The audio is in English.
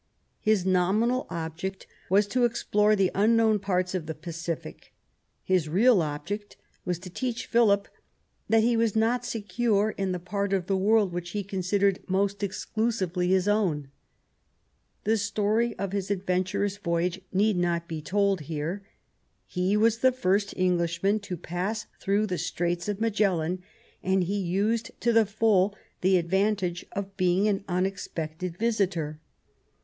His nominal object was to explore the unknown parts of the Pacific ; his real object was to teach Philip that he was not secure in the part of the world which he considered most exclusively his own. The story of his adventurous voyage need not be told here. He was the first Englishman who passed through the Straits of Magellan, and he used to the full the advantage of being an unexpected visitor.